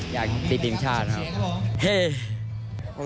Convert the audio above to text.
อยากติดทีมชาติครับ